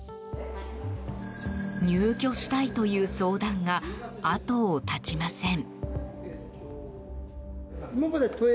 入居したいという相談が後を絶ちません。